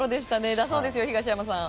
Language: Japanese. だそうですよ、東山さん。